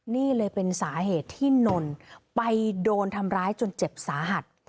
นี่เลยเป็นสาเหตุที่นนไปโดนทำร้ายจนเจ็บสาหัส